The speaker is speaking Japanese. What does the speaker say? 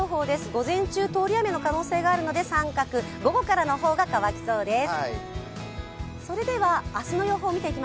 午前中通り雨の可能性があるので△、午後からの方が乾きそうです。